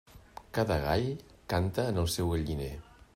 Cada gall canta en el seu galliner.